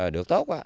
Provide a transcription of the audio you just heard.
được tốt á